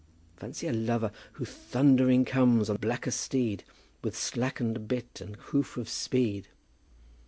Fancy a lover 'Who thundering comes on blackest steed, With slackened bit and hoof of speed.'